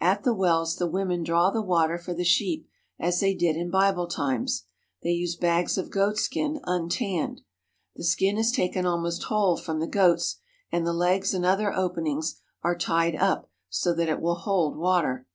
At the wells the women draw the water for the sheep as they did in Bible times. They use bags of goatskin untanned. The skin is taken almost whole from the goats, and the legs and other openings are tied up so that it will hold water.